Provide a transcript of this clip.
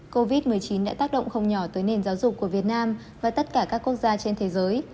covid một mươi chín đã tác động không nhỏ tới nền giáo dục của việt nam và tất cả các quốc gia trên thế giới